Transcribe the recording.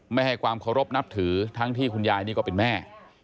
ไม่ให้ความเคารพนับถือทั้งที่คุณยายนี่ก็เป็นแม่